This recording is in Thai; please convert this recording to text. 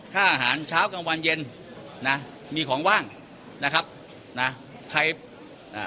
ค่าอาหารเช้ากลางวันเย็นนะมีของว่างนะครับนะใครอ่า